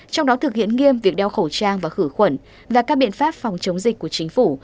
trong đó thực hiện nghiêm việc đeo khẩu trang và khử khuẩn và các biện pháp phòng chống dịch của chính phủ